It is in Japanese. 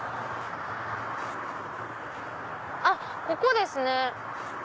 あっここですね。